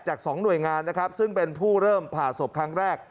สองหน่วยงานนะครับซึ่งเป็นผู้เริ่มผ่าศพครั้งแรก